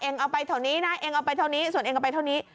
เอาไปเท่านี้นะเองเอาไปเท่านี้ส่วนเองเอาไปเท่านี้